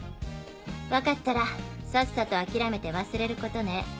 分かったらさっさと諦めて忘れることね。